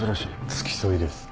付き添いです。